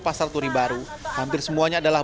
pasar turi baru hampir semuanya adalah